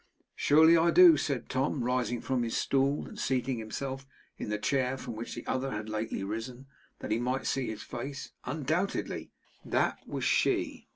'Surely I do,' said Tom, rising from his stool, and seating himself in the chair from which the other had lately risen, that he might see his face. 'Undoubtedly.' 'That was she.